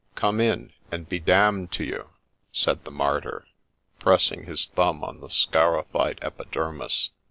' Come in, and be d — d to you !' said the martyr, pressing his thumb on the scarified epidermis.